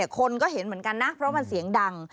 คนก็เห็นเหมือนกันนะเพราะมันเสียงดัง